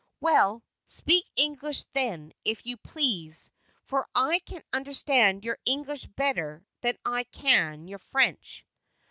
"Well, speak English then, if you please, for I can understand your English better than I can your French."